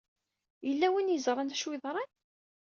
Yella win yeẓran acu yeḍran?